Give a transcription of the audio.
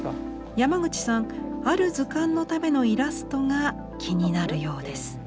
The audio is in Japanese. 山口さんある図鑑のためのイラストが気になるようです。